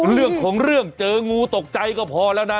เรื่องของเรื่องเจองูตกใจก็พอแล้วนะ